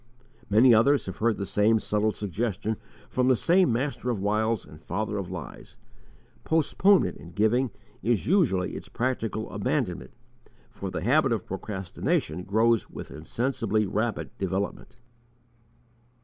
Many others have heard the same subtle suggestion from the same master of wiles and father of lies. Postponement in giving is usually its practical abandonment, for the habit of procrastination grows with insensibly rapid development.